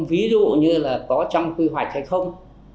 ví dụ như là có trong quy hoạch hay không